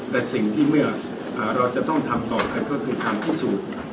แต่สิ่งที่เมื่อเราจะต้องทำต่อไปก็คือการพิสูจน์